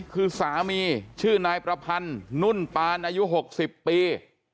คือสามีชื่อนายประพันธ์นุ่นปานอายุ๖๐ปี